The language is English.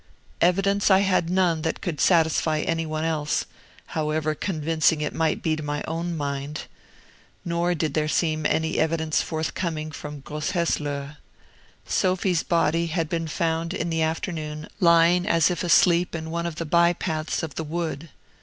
Evidence I had none that could satisfy any one else, however convincing it might be to my own mind. Nor did there seem any evidence forthcoming from Grosshesslohe. Sophie's body had been found in the afternoon lying as if asleep in one of the by paths of the wood.